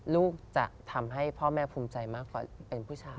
ลูกจะทำให้พ่อแม่ภูมิใจมากกว่าเป็นผู้ชาย